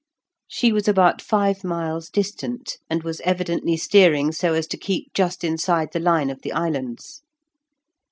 She was about five miles distant, and was evidently steering so as to keep just inside the line of the islands.